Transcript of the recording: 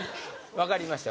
分かりました